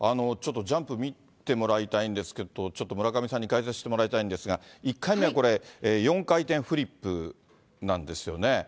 ちょっとジャンプ見てもらいたいんですけど、ちょっと村上さんに解説してもらいたいんですが、１回目はこれ、４回転フリップなんですよね。